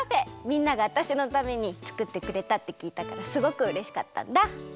みんながわたしのためにつくってくれたってきいたからすごくうれしかったんだ。